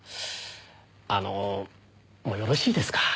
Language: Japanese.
あのもうよろしいですか？